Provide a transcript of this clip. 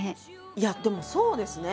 いやでもそうですね。